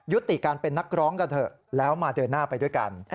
ติการเป็นนักร้องกันเถอะแล้วมาเดินหน้าไปด้วยกัน